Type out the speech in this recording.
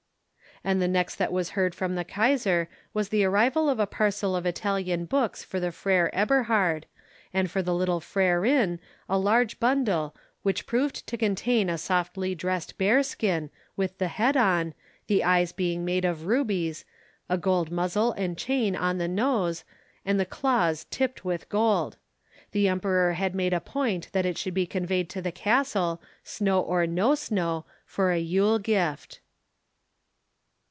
And the next that was heard from the Kaisar was the arrival of a parcel of Italian books for the Freiherr Eberhard, and for the little Freiherrinn a large bundle, which proved to contain a softly dressed bearskin, with the head on, the eyes being made of rubies, a gold muzzle and chain on the nose, and the claws tipped with gold. The Emperor had made a point that it should be conveyed to the castle, snow or no snow, for a yule gift.